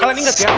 kalian inget ya